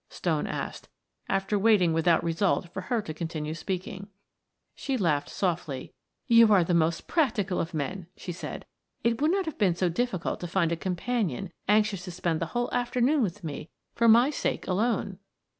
Stone asked, after waiting without result for her to continue speaking. She laughed softly. "You are the most practical of men," she said. "It would not have been so difficult to find a companion anxious to spend the whole afternoon with me for my sake alone."